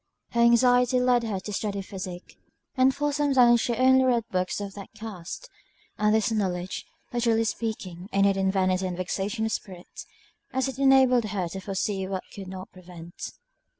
Her anxiety led her to study physic, and for some time she only read books of that cast; and this knowledge, literally speaking, ended in vanity and vexation of spirit, as it enabled her to foresee what she could not prevent.